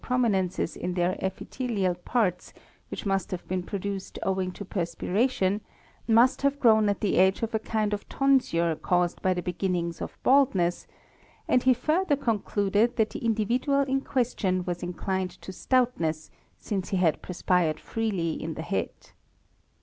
prominences in their epithelial parts which must have been produced owing to perspiration, must have grown at the edge of a kind of tonsure caused by the beginnings of baldness and he further concluded that the individual in question was inclined to stout ness since he had perspired freely in the head.